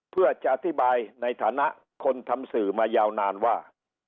เพื่อจะอธิบายในฐานะคนทำสื่อมายาวนานว่า